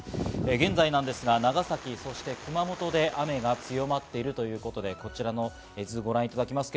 現在ですが長崎、そして熊本で雨が強まっているということで、こちらの図をご覧いただきます。